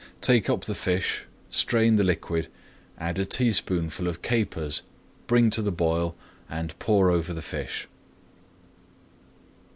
Take up the fish, strain the liquid, add a teaspoonful of capers, bring to the boil, and pour over the fish.